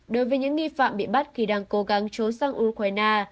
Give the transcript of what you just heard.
đối với những nghi phạm bị bắt khi đang cố gắng trốn sang ukraine